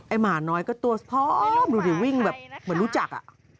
ไอ้หมาน้อยก็ตัวพร้อมหลุดหรือวิ่งแบบเหมือนรู้จัก